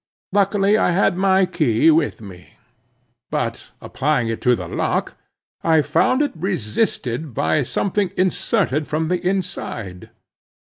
Luckily I had my key with me; but upon applying it to the lock, I found it resisted by something inserted from the inside.